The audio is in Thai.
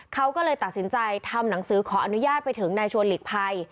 เขาก็เลยตัดสินใจทำหนังสือขออนุญาตไปถึงนายชวนหลีกภัย